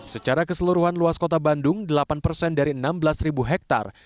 secara keseluruhan luas kota bandung delapan persen dari enam belas ribu hektare